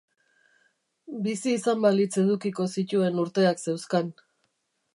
Bizi izan balitz edukiko zituen urteak zeuzkan.